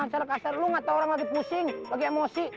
kasar kasar lu gak tau orang lagi pusing lagi emosi